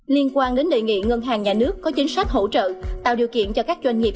liên quan đến đề nghị ngân hàng nhà nước có chính sách hỗ trợ tạo điều kiện cho các doanh nghiệp